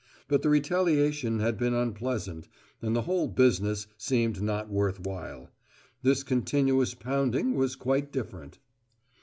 But the retaliation had been unpleasant, and the whole business seemed not worth while. This continuous pounding was quite different.